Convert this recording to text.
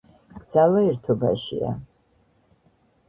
ძალა ერთობაშია